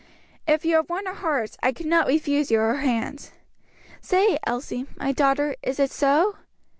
"If you have won her heart, I cannot refuse you her hand. Say, Elsie, my daughter, is it so?"